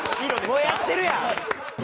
もうやってるやん！